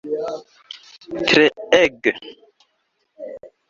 treege